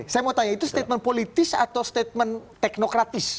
saya mau tanya itu statement politis atau statement teknokratis